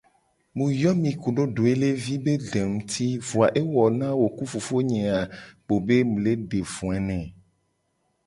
Mu yo mi kudo doelevi be de nguti vo a ewo na wo ku fofo nye a kpo be mu le de voe ne.